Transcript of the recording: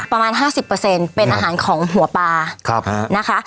ประมาณ๕๐เป็นอาหารของหัวปลานะคะ